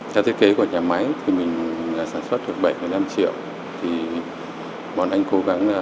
theo thiết kế của nhà máy mình sản xuất được bảy mươi năm triệu